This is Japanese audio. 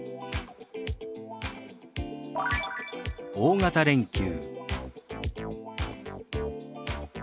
「大型連休」。